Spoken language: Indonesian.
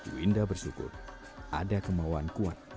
winda bersyukur ada kemauan kuat